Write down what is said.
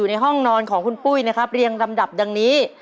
ในห้องนอนของคุณปุ้ยนะครับเรียงลำดับดังนี้